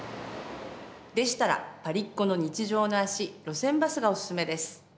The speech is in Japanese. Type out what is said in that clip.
でしたらパリっ子の日常の足路線バスがおススメです。